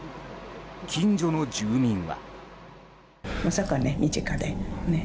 近所の住民は。